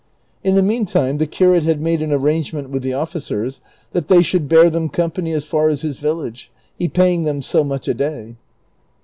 In the meantime the curate had made an arrangement with the officers that they shoi; ld bear them company as far as his village, he paying them so much a day.